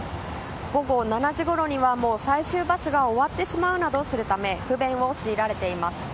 午後７時ごろには、最終バスが終わってしまうなどするため不便を強いられています。